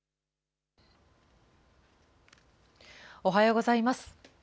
おはようございます。